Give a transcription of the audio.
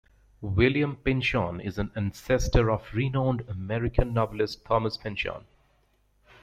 William Pynchon is an ancestor of renowned American novelist Thomas Pynchon.